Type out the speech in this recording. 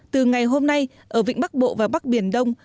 từ ngày hôm nay ở vịnh bắc bộ và bắc biển đông